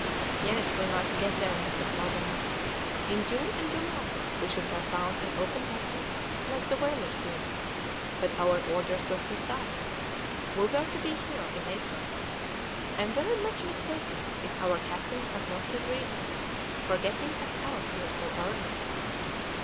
"Yes, we must get there, Mr. Clawbonny. In June and July we should have found an open passage, like the whalers do, but our orders were precise; we were to be here in April. I am very much mistaken if our captain has not his reasons for getting us out here so early."